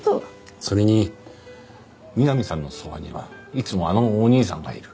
それにみなみさんのそばにはいつもあのお兄さんがいる。